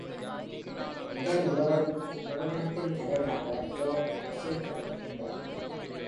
முதல் நிறுவனத்தின் தலைவராக ஜாக் ஐசேந்திரத் இருந்தார்.